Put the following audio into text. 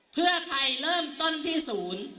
เพื่อไทยเริ่มต้นที่ศูนย์